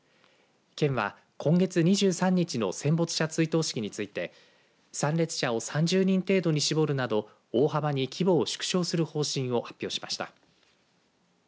県は今月２３日の戦没者追悼式について参列者を３０人程度に絞るなど大幅に規模を縮小する方針を発表しました。